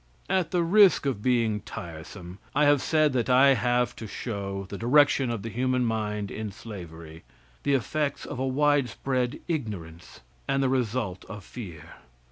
At the risk of being tiresome, I have said that I have to show the direction of the human mind in slavery, the effects of widespread ignorance, and the result of fear.